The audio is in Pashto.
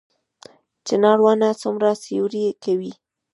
چنار ونه څومره سیوری کوي؟